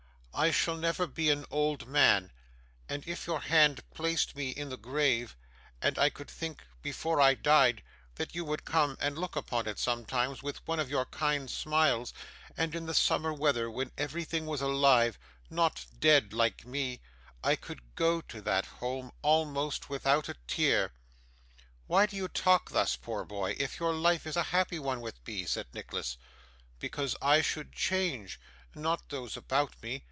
I shall never be an old man; and if your hand placed me in the grave, and I could think, before I died, that you would come and look upon it sometimes with one of your kind smiles, and in the summer weather, when everything was alive not dead like me I could go to that home almost without a tear.' 'Why do you talk thus, poor boy, if your life is a happy one with me?' said Nicholas. 'Because I should change; not those about me.